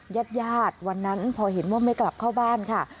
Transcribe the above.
ญาติญาติวันนั้นพอเห็นว่าไม่กลับเข้าบ้านค่ะ